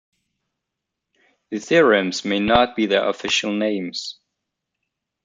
The theorems may not be their official names.